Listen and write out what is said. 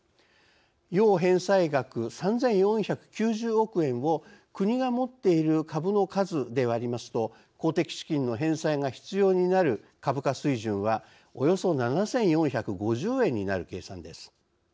要返済額３４９０億円を国が持っている株の数で割りますと公的資金の返済が必要になる株価水準はおよそ７４５０円になる計算です。